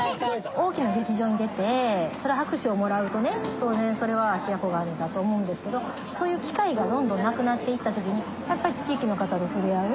大きな劇場に出てそりゃ拍手をもらうとね当然それは芦屋小雁だと思うんですけどそういう機会がどんどんなくなっていった時にやっぱり地域の方と触れ合う。